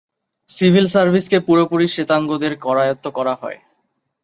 Civil সার্ভিসকে পুরোপুরি শ্বেতাঙ্গদের করায়ত্ত করা হয়।